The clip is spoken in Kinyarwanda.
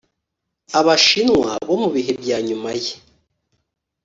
abashinwa bo mu bihe bya nyuma ye.